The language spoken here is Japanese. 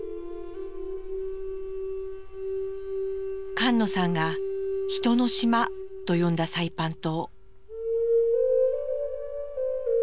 菅野さんが「他人の島」と呼んだサイパン島。